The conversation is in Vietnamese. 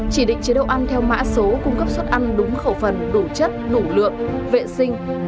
chỉ định chế độ ăn theo mã số cung cấp suất ăn đúng khẩu phần đủ chất đủ lượng vệ sinh